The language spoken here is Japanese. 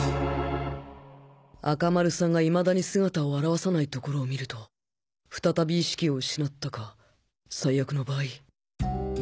赤丸さんがいまだに姿を現さないところをみると再び意識を失ったか最悪の場合